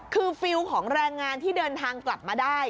คือฟิลล์ของแรงงานที่เดินทางกลับมาได้